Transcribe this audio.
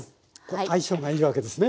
相性がいいわけですね